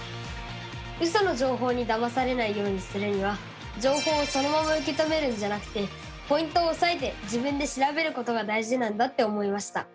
ウソの情報にだまされないようにするには情報をそのまま受け止めるんじゃなくてポイントをおさえて自分で調べることが大事なんだって思いました！